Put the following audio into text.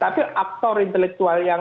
tapi aktor intelektual yang